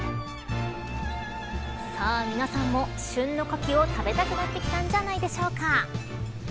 さあ、皆さんも旬のかきを食べたくなってきたんじゃないでしょうか。